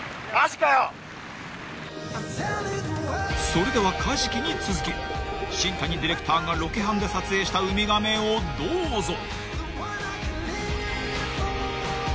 ［それではカジキに続き新谷ディレクターがロケハンで撮影したウミガメをどうぞ］